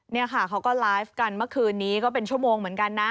นี่ค่ะเขาก็ไลฟ์กันเมื่อคืนนี้ก็เป็นชั่วโมงเหมือนกันนะ